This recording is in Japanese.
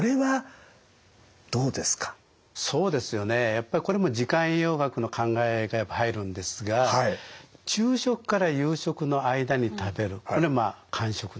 やっぱりこれも時間栄養学の考えがやっぱり入るんですが昼食から夕食の間に食べるこれ間食ね。